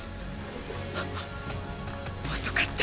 遅かった！